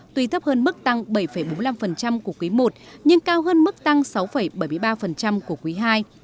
tuy thấp hơn mức tăng bảy bốn mươi năm của quý i nhưng cao hơn mức tăng sáu bảy mươi ba của quý ii